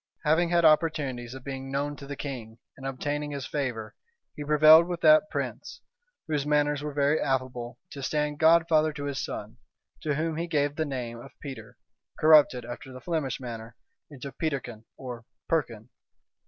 Having had opportunities of being known to the king, and obtaining his favor, he prevailed with that prince, whose manners were very affable, to stand godfather to his son, to whom he gave the name of Peter, corrupted, after the Flemish manner, into Peterkin, or Perkin.